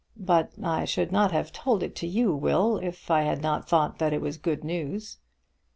But I should not have told it to you, Will, if I had not thought that it was good news."